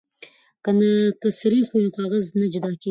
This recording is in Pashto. که سريښ وي نو کاغذ نه جدا کیږي.